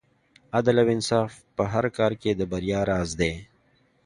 عدل او انصاف په هر کار کې د بریا راز دی.